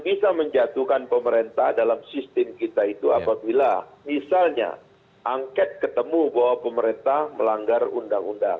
bisa menjatuhkan pemerintah dalam sistem kita itu apabila misalnya angket ketemu bahwa pemerintah melanggar undang undang